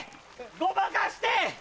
ごまかして！